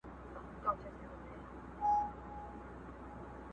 د سر په غم کي ټوله دنیا ده؛